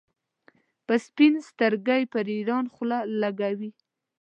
په سپین سترګۍ پر ایران خوله لګوي.